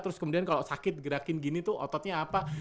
terus kemudian kalau sakit gerakin gini tuh ototnya apa